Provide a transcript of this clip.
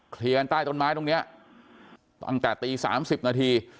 เคลียร์กันใต้ต้นไม้ตรงนี้ตั้งแต่ตี๓๐นาที